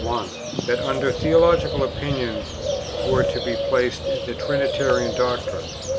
1; that under Theological Opinion were to be placed the Trinitarian doctrine, p.